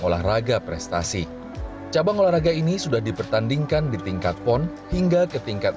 olahraga prestasi cabang olahraga ini sudah dipertandingkan di tingkat pon hingga ke tingkat